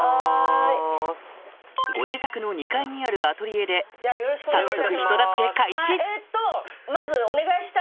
ご自宅の２階にあるアトリエで早速人助け開始えっとまず。